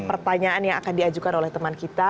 pertanyaan yang akan diajukan oleh teman kita